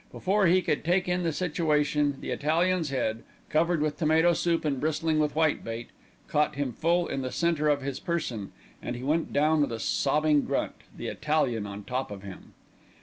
Before he could take in the situation, the Italian's head, covered with tomato soup and bristling with whitebait, caught him full in the centre of his person, and he went down with a sobbing grunt, the Italian on top of him.